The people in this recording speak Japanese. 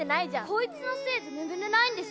こいつのせいで眠れないんですけど。